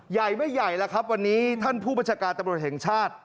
ใหญ่ไม่ใหญ่แล้วครับวันนี้ท่านผู้บัญชาการตำรวจแห่งชาติ